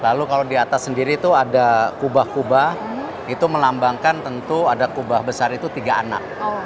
lalu kalau di atas sendiri itu ada kubah kubah itu melambangkan tentu ada kubah besar itu tiga anak